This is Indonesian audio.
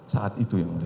saat itu ya mulia